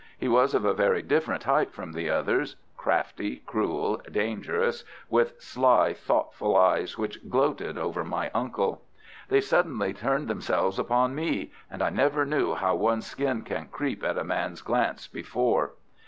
He was of a very different type from the others—crafty, cruel, dangerous, with sly, thoughtful eyes which gloated over my uncle. They suddenly turned themselves upon me and I never knew how one's skin can creep at a man's glance before.